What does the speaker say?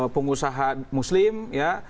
pengusaha muslim ya